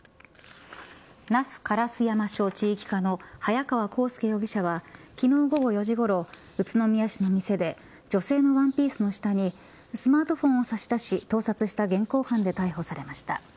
那須烏山署地域課の早川幸佑容疑者は昨日午後４時ごろ宇都宮市の店で女性のワンピースの下にスマートフォンを差し出し盗撮した現行犯で逮捕されました。